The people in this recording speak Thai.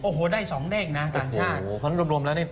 โอ้โหได้๒เด็กนะต่างชาติ